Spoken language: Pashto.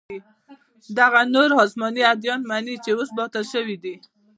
چې دغه نور اسماني اديان مني چې اوس باطل سوي دي.